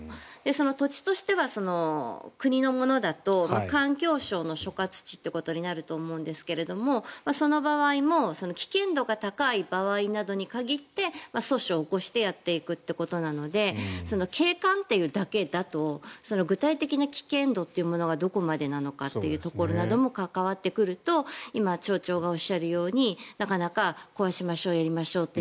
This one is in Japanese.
その土地としては国のものだと環境省の所轄地ということになると思うんですがその場合も危険度が高い場合などに限って訴訟を起こしてやっていくっていうことなので景観というだけだと具体的な危険度というのがどこまでなのかというところも関わってくると今、町長がおっしゃるようになかなか、壊しましょうやりましょうって